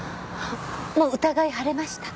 もう疑い晴れました？